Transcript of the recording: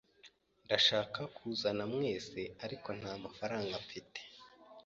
Ndashaka kuzana mwese, ariko ntamafaranga mfite.